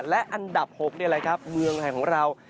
และอันดับ๖นี่แหละครับเมืองไทยของเรา